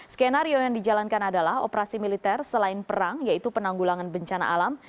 skenario yang dijalankan adalah operasi militer selain perang yaitu penanggulangan bencana alam